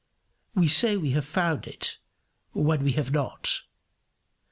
We say we have found it, when we have it not.